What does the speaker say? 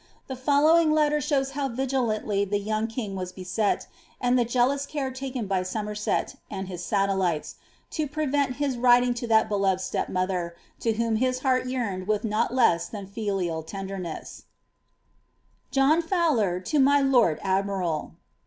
The following letter »hnws how li^lanlly the young king was beset, and ihc jealous care taken by Sotnerset, and his sutelhies. to prevent his writing lo that beloved •te(> mullier, to whom his heurl yearned with not less llinn liliol tei> tlerness :— Joan foWI in TO MT tOBS tDMiajlL.